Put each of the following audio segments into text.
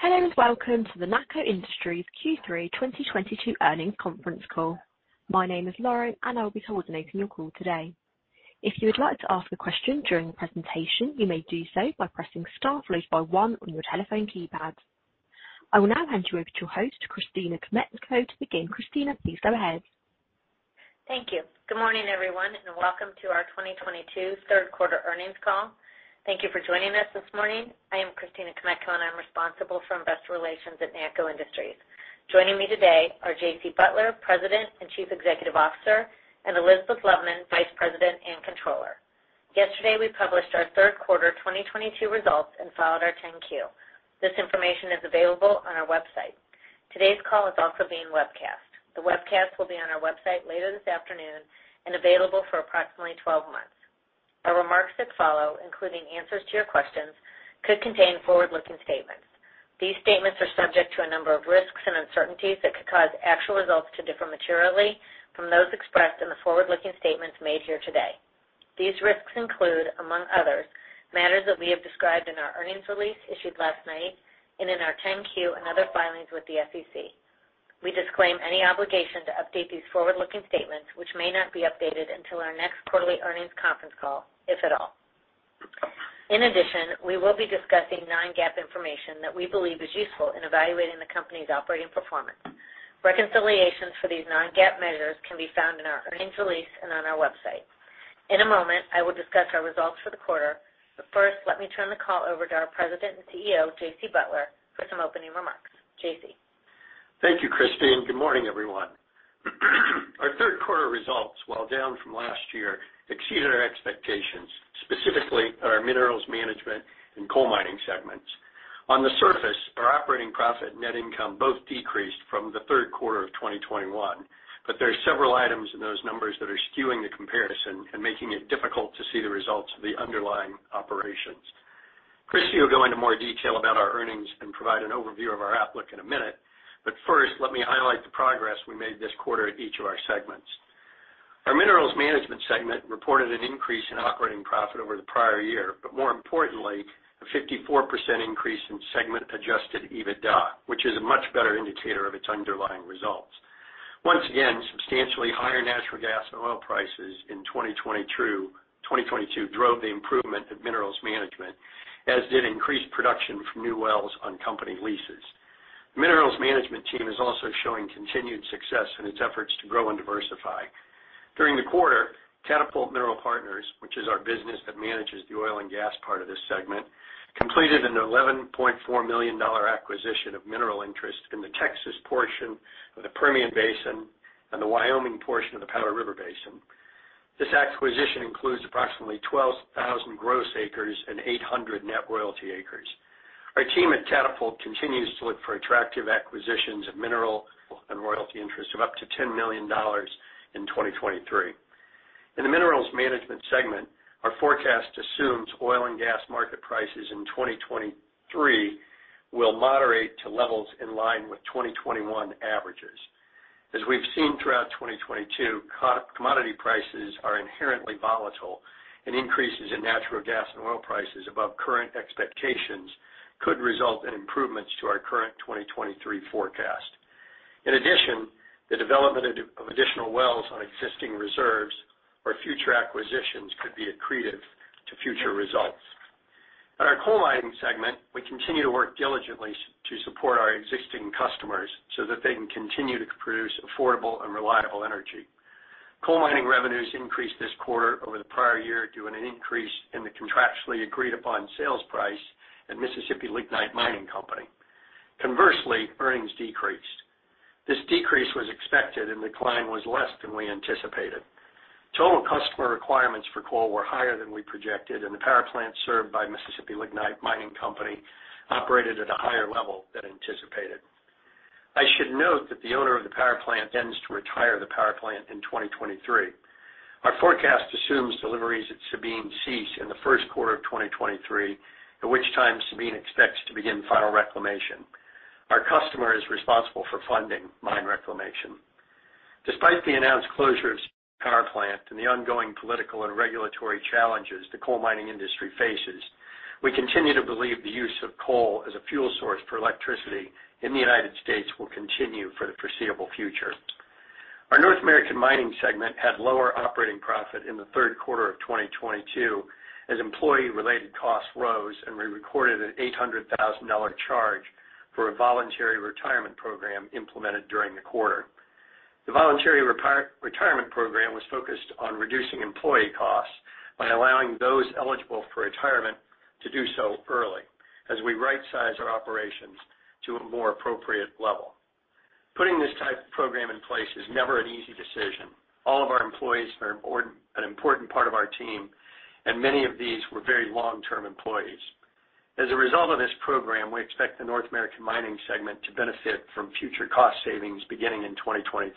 Hello, and welcome to the NACCO Industries Q3 2022 Earnings Conference Call. My name is Lauren, and I'll be coordinating your call today. If you would like to ask a question during the presentation, you may do so by pressing star followed by 1 on your telephone keypad. I will now hand you over to your host, Christina Kmetko, to begin. Christina, please go ahead. Thank you. Good morning, everyone, and welcome to our 2022 third quarter earnings call. Thank you for joining us this morning. I am Christina Kmetko, and I'm responsible for investor relations at NACCO Industries. Joining me today are J.C. Butler, President and Chief Executive Officer, and Elizabeth Loveman, Vice President and Controller. Yesterday, we published our third quarter 2022 results and filed our 10-Q. This information is available on our website. Today's call is also being webcast. The webcast will be on our website later this afternoon and available for approximately 12 months. Our remarks that follow, including answers to your questions, could contain forward-looking statements. These statements are subject to a number of risks and uncertainties that could cause actual results to differ materially from those expressed in the forward-looking statements made here today. These risks include, among others, matters that we have described in our earnings release issued last night and in our 10-Q and other filings with the SEC. We disclaim any obligation to update these forward-looking statements, which may not be updated until our next quarterly earnings conference call, if at all. In addition, we will be discussing non-GAAP information that we believe is useful in evaluating the company's operating performance. Reconciliations for these non-GAAP measures can be found in our earnings release and on our website. In a moment, I will discuss our results for the quarter, but first, let me turn the call over to our President and CEO, J.C. Butler, for some opening remarks. J.C. Thank you, Christina. Good morning, everyone. Our third quarter results, while down from last year, exceeded our expectations, specifically our Minerals Management and Coal Mining segments. On the surface, our operating profit and net income both decreased from the third quarter of 2021. There are several items in those numbers that are skewing the comparison and making it difficult to see the results of the underlying operations. Christie will go into more detail about our earnings and provide an overview of our outlook in a minute. First, let me highlight the progress we made this quarter at each of our segments. Our Minerals Management segment reported an increase in operating profit over the prior year, but more importantly, a 54% increase in segment Adjusted EBITDA, which is a much better indicator of its underlying results. Once again, substantially higher natural gas and oil prices in 2022 drove the improvement of Minerals Management, as did increased production from new wells on company leases. The Minerals Management team is also showing continued success in its efforts to grow and diversify. During the quarter, Catapult Mineral Partners, which is our business that manages the oil and gas part of this segment, completed an $11.4 million acquisition of mineral interest in the Texas portion of the Permian Basin and the Wyoming portion of the Powder River Basin. This acquisition includes approximately 12,000 gross acres and 800 net royalty acres. Our team at Catapult continues to look for attractive acquisitions of mineral and royalty interests of up to $10 million in 2023. In the Minerals Management segment, our forecast assumes oil and gas market prices in 2023 will moderate to levels in line with 2021 averages. As we've seen throughout 2022, commodity prices are inherently volatile, and increases in natural gas and oil prices above current expectations could result in improvements to our current 2023 forecast. In addition, the development of additional wells on existing reserves or future acquisitions could be accretive to future results. In our Coal Mining segment, we continue to work diligently to support our existing customers so that they can continue to produce affordable and reliable energy. Coal mining revenues increased this quarter over the prior year due to an increase in the contractually agreed upon sales price at Mississippi Lignite Mining Company. Conversely, earnings decreased. This decrease was expected and decline was less than we anticipated. Total customer requirements for coal were higher than we projected, and the power plant served by Mississippi Lignite Mining Company operated at a higher level than anticipated. I should note that the owner of the power plant intends to retire the power plant in 2023. Our forecast assumes deliveries at Sabine cease in the first quarter of 2023, at which time Sabine expects to begin final reclamation. Our customer is responsible for funding mine reclamation. Despite the announced closure of Sabine Power Plant and the ongoing political and regulatory challenges the coal mining industry faces, we continue to believe the use of coal as a fuel source for electricity in the United States will continue for the foreseeable future. Our North American Mining segment had lower operating profit in the third quarter of 2022 as employee-related costs rose, and we recorded an $800,000 charge for a voluntary retirement program implemented during the quarter. The voluntary retirement program was focused on reducing employee costs by allowing those eligible for retirement to do so early as we right-size our operations to a more appropriate level. Putting this type of program in place is never an easy decision. All of our employees are an important part of our team, and many of these were very long-term employees. As a result of this program, we expect the North American Mining segment to benefit from future cost savings beginning in 2023.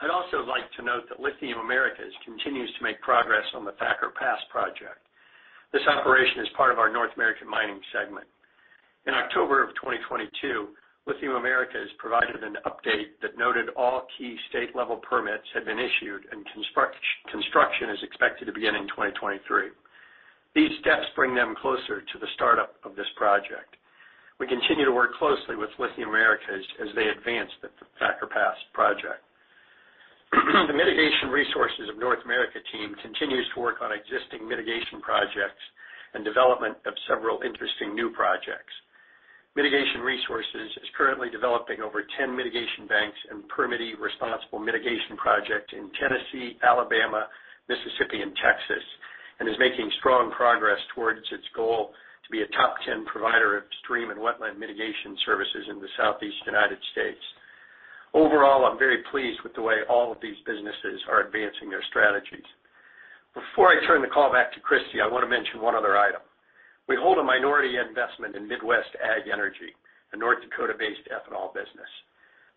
I'd also like to note that Lithium Americas continues to make progress on the Thacker Pass project. This operation is part of our North American Mining segment. In October of 2022, Lithium Americas has provided an update that noted all key state-level permits had been issued and construction is expected to begin in 2023. These steps bring them closer to the startup of this project. We continue to work closely with Lithium Americas as they advance the Thacker Pass project. The Mitigation Resources of North America team continues to work on existing mitigation projects and development of several interesting new projects. Mitigation Resources is currently developing over 10 mitigation banks and permittee-responsible mitigation project in Tennessee, Alabama, Mississippi, and Texas, and is making strong progress towards its goal to be a top 10 provider of stream and wetland mitigation services in the Southeast United States. Overall, I'm very pleased with the way all of these businesses are advancing their strategies. Before I turn the call back to Christie, I wanna mention one other item. We hold a minority investment in Midwest AgEnergy, a North Dakota-based ethanol business.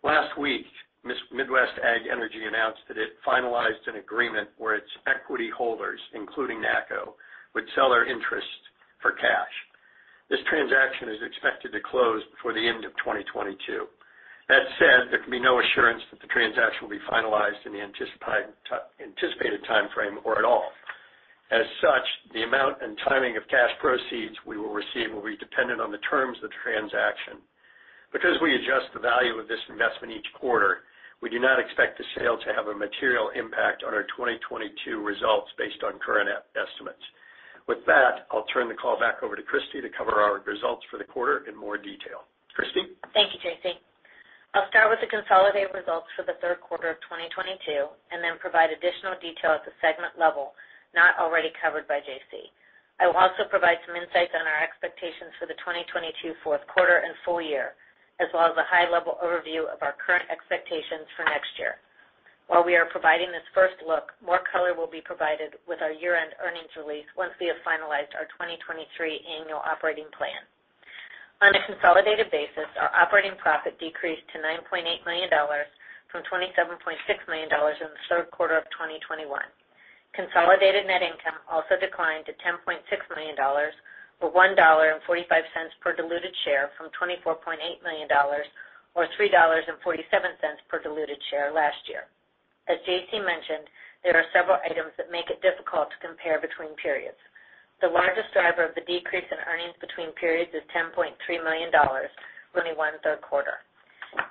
Last week, Midwest AgEnergy announced that it finalized an agreement where its equity holders, including NACCO, would sell their interest for cash. This transaction is expected to close before the end of 2022. That said, there can be no assurance that the transaction will be finalized in the anticipated timeframe or at all. As such, the amount and timing of cash proceeds we will receive will be dependent on the terms of the transaction. Because we adjust the value of this investment each quarter, we do not expect the sale to have a material impact on our 2022 results based on current estimates. With that, I'll turn the call back over to Christie to cover our results for the quarter in more detail. Christie? Thank you, J.C. I'll start with the consolidated results for the third quarter of 2022 and then provide additional detail at the segment level not already covered by J.C. I will also provide some insights on our expectations for the 2022 fourth quarter and full year, as well as a high-level overview of our current expectations for next year. While we are providing this first look, more color will be provided with our year-end earnings release once we have finalized our 2023 annual operating plan. On a consolidated basis, our operating profit decreased to $9.8 million from $27.6 million in the third quarter of 2021. Consolidated net income also declined to $10.6 million, or $1.45 per diluted share, from $24.8 million, or $3.47 per diluted share last year. As J.C. mentioned, there are several items that make it difficult to compare between periods. The largest driver of the decrease in earnings between periods is $10.3 million, only in the third quarter.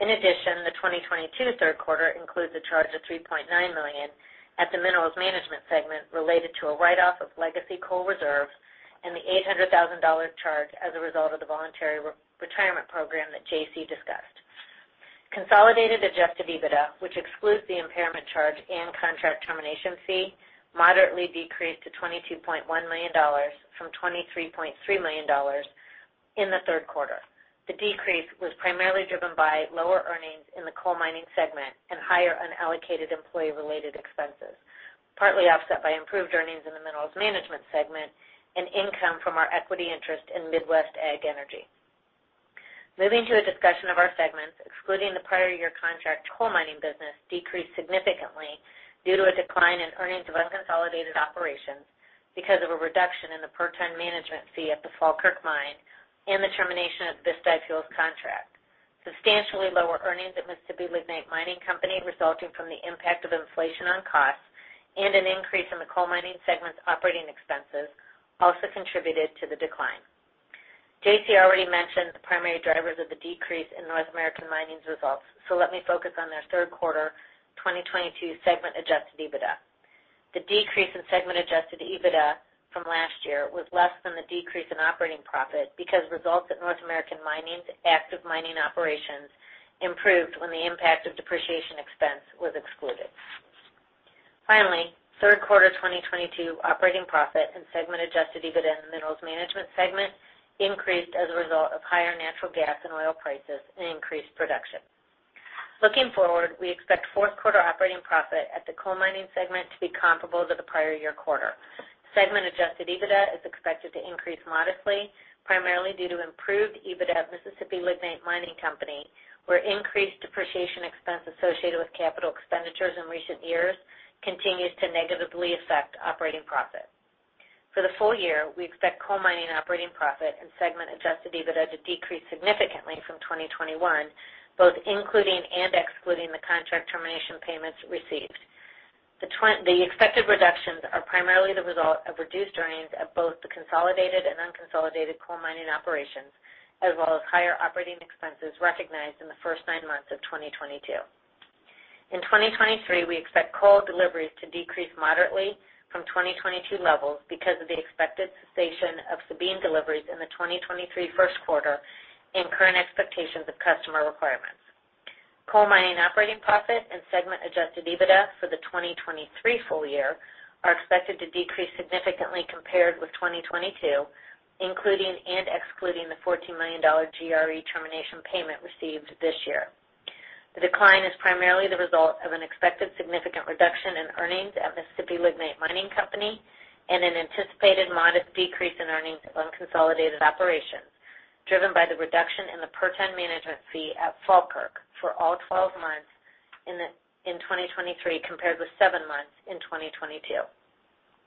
In addition, the 2022 third quarter includes a charge of $3.9 million at the Minerals Management segment related to a write-off of legacy coal reserves and the $800,000 charge as a result of the voluntary retirement program that J.C. discussed. Consolidated Adjusted EBITDA, which excludes the impairment charge and contract termination fee, moderately decreased to $22.1 million from $23.3 million in the third quarter. The decrease was primarily driven by lower earnings in the Coal Mining segment and higher unallocated employee-related expenses, partly offset by improved earnings in the Minerals Management segment and income from our equity interest in Midwest AgEnergy. Moving to a discussion of our segments. Excluding the prior year contract coal mining business decreased significantly due to a decline in earnings of unconsolidated operations because of a reduction in the per ton management fee at the Falkirk Mine and the termination of the Bisti Fuels contract. Substantially lower earnings at Mississippi Lignite Mining Company, resulting from the impact of inflation on costs and an increase in the Coal Mining segment's operating expenses, also contributed to the decline. J.C. already mentioned the primary drivers of the decrease in North American Mining's results, so let me focus on their third quarter 2022 segment Adjusted EBITDA. The decrease in segment Adjusted EBITDA from last year was less than the decrease in operating profit because results at North American Mining's active mining operations improved when the impact of depreciation expense was excluded. Finally, third quarter 2022 operating profit and segment Adjusted EBITDA in the Minerals Management segment increased as a result of higher natural gas and oil prices and increased production. Looking forward, we expect fourth quarter operating profit at the Coal Mining segment to be comparable to the prior year quarter. Segment Adjusted EBITDA is expected to increase modestly, primarily due to improved EBITDA at Mississippi Lignite Mining Company, where increased depreciation expense associated with capital expenditures in recent years continues to negatively affect operating profit. For the full year, we expect coal mining operating profit and segment Adjusted EBITDA to decrease significantly from 2021, both including and excluding the contract termination payments received. The expected reductions are primarily the result of reduced earnings at both the consolidated and unconsolidated coal mining operations, as well as higher operating expenses recognized in the first nine months of 2022. In 2023, we expect coal deliveries to decrease moderately from 2022 levels because of the expected cessation of Sabine deliveries in the 2023 first quarter and current expectations of customer requirements. Coal mining operating profit and segment Adjusted EBITDA for the 2023 full year are expected to decrease significantly compared with 2022, including and excluding the $14 million GRE termination payment received this year. The decline is primarily the result of an expected significant reduction in earnings at Mississippi Lignite Mining Company and an anticipated modest decrease in earnings of unconsolidated operations, driven by the reduction in the per ton management fee at Falkirk for all 12 months in 2023 compared with seven months in 2022,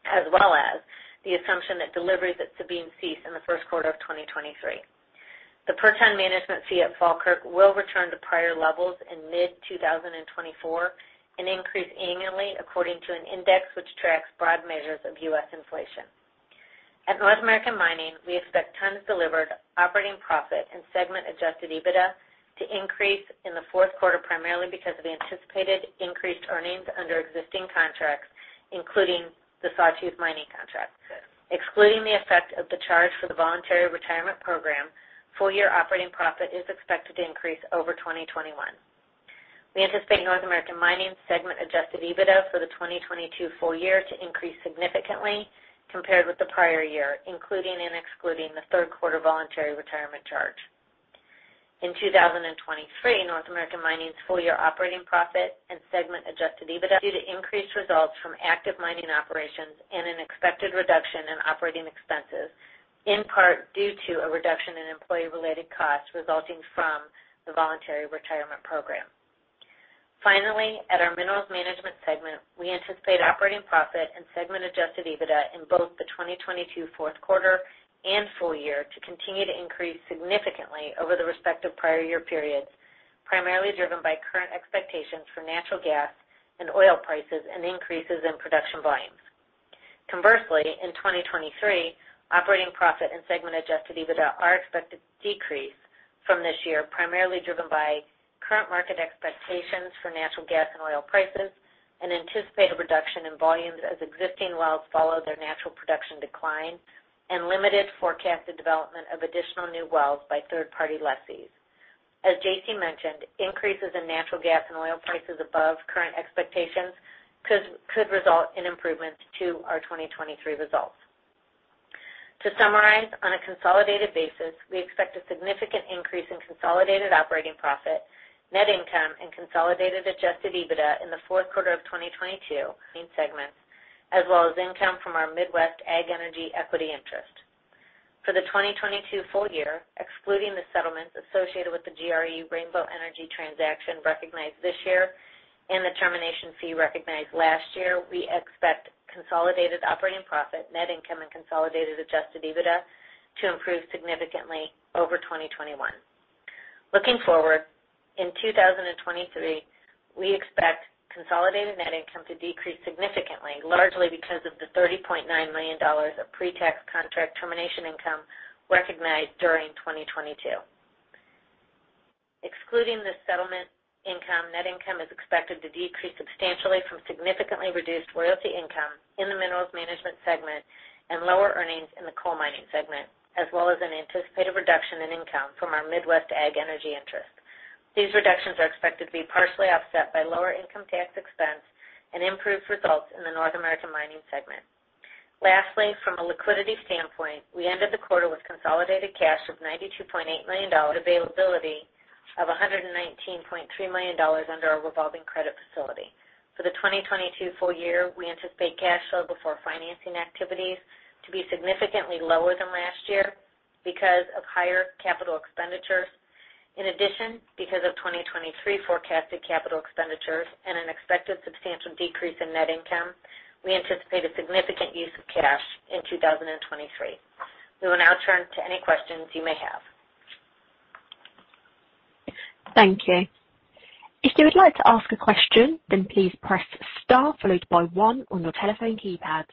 as well as the assumption that deliveries at Sabine cease in the first quarter of 2023. The per ton management fee at Falkirk will return to prior levels in mid-2024 and increase annually according to an index which tracks broad measures of U.S. inflation. At North American Mining, we expect tons delivered, operating profit, and segment Adjusted EBITDA to increase in the fourth quarter primarily because of anticipated increased earnings under existing contracts, including the Sawtooth Mining contract. Excluding the effect of the charge for the voluntary retirement program, full year operating profit is expected to increase over 2021. We anticipate North American Mining segment Adjusted EBITDA for the 2022 full year to increase significantly compared with the prior year, including and excluding the third quarter voluntary retirement charge. In 2023, North American Mining's full year operating profit and segment Adjusted EBITDA due to increased results from active mining operations and an expected reduction in operating expenses, in part due to a reduction in employee-related costs resulting from the voluntary retirement program. Finally, at our Minerals Management segment, we anticipate operating profit and segment Adjusted EBITDA in both the 2022 fourth quarter and full year to continue to increase significantly over the respective prior year periods, primarily driven by current expectations for natural gas and oil prices and increases in production volumes. Conversely, in 2023, operating profit and segment Adjusted EBITDA are expected to decrease from this year, primarily driven by current market expectations for natural gas and oil prices and anticipated reduction in volumes as existing wells follow their natural production decline and limited forecasted development of additional new wells by third-party lessees. As J.C. mentioned, increases in natural gas and oil prices above current expectations could result in improvements to our 2023 results. To summarize, on a consolidated basis, we expect a significant increase in consolidated operating profit, net income, and consolidated Adjusted EBITDA in the fourth quarter of 2022 segments, as well as income from our Midwest AgEnergy equity interest. For the 2022 full year, excluding the settlements associated with the GRE Rainbow Energy transaction recognized this year and the termination fee recognized last year, we expect consolidated operating profit, net income, and consolidated Adjusted EBITDA to improve significantly over 2021. Looking forward, in 2023, we expect consolidated net income to decrease significantly, largely because of the $30.9 million of pre-tax contract termination income recognized during 2022. Excluding this settlement income, net income is expected to decrease substantially from significantly reduced royalty income in the Minerals Management segment and lower earnings in the Coal Mining segment, as well as an anticipated reduction in income from our Midwest AgEnergy interest. These reductions are expected to be partially offset by lower income tax expense and improved results in the North American Mining segment. Lastly, from a liquidity standpoint, we ended the quarter with consolidated cash of $92.8 million, availability of $119.3 million under our revolving credit facility. For the 2022 full year, we anticipate cash flow before financing activities to be significantly lower than last year because of higher capital expenditures. In addition, because of 2023 forecasted capital expenditures and an expected substantial decrease in net income, we anticipate a significant use of cash in 2023. We will now turn to any questions you may have. Thank you. If you would like to ask a question, then please press star followed by 1 on your telephone keypad.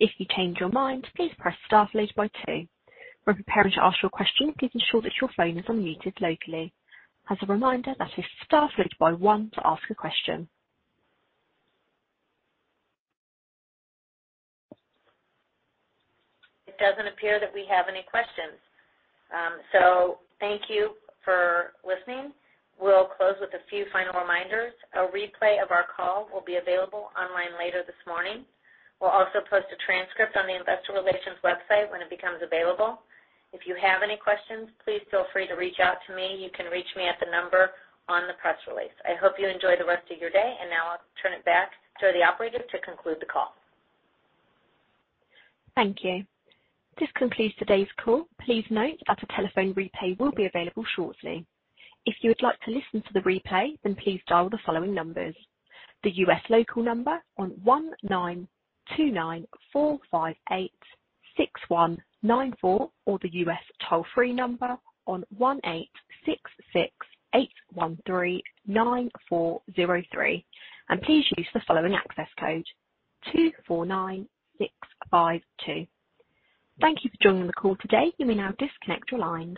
If you change your mind, please press star followed by 2. When preparing to ask your question, please ensure that your phone is unmuted locally. As a reminder, that is star followed by 1 to ask a question. It doesn't appear that we have any questions. Thank you for listening. We'll close with a few final reminders. A replay of our call will be available online later this morning. We'll also post a transcript on the investor relations website when it becomes available. If you have any questions, please feel free to reach out to me. You can reach me at the number on the press release. I hope you enjoy the rest of your day, and now I'll turn it back to the operator to conclude the call. Thank you. This concludes today's call. Please note that a telephone replay will be available shortly. If you would like to listen to the replay, then please dial the following numbers: the U.S. local number 1-929-458-6194 or the U.S. toll-free number 1-866-813-9403, and please use the following access code 249652. Thank you for joining the call today. You may now disconnect your lines.